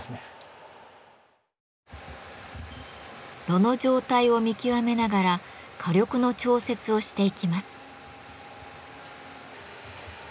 炉の状態を見極めながら火力の調節をしていきます。